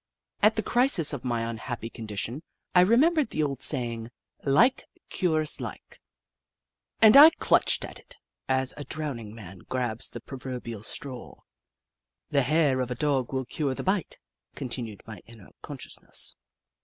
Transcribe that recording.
At the crisis of my unhappy condition, I remembered the old saying, " Like cures like," and I clutched at it as a drowning man grabs the proverbial straw. " The hair of a dog will cure the bite," continued my inner consciousness.